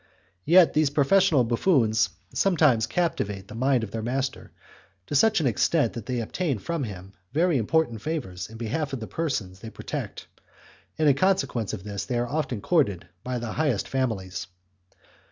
Yet these professional buffoons sometimes captivate the mind of their master to such an extent that they obtain from him very important favours in behalf of the persons they protect, and the consequence is that they are often courted by the highest families.